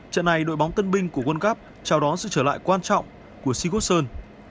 trận này đội bóng tân binh của world cup chào đón sự trở lại quan trọng của shigoson